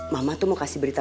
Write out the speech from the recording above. mama tuh mau kasih berita